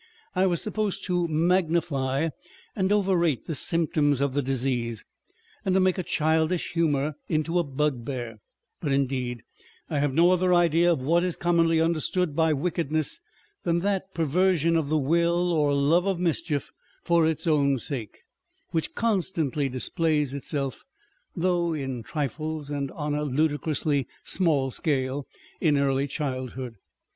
I was supposed to magnify and over rate the symptoms of the disease, and to make a childish humour into a bugbear ; but, indeed, I have no other idea of what is commonly understood by wickedness than that perversion of the will or love of mischief for its own sake, which constantly displays itself (though in trifles and on a ludicrously small scale) in early childhood.